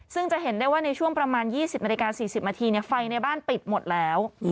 ซึ่งจะเห็นได้ว่าในช่วงประมาณ๒๐นาฬิกา๔๐นาทีไฟในบ้านปิดหมดแล้ว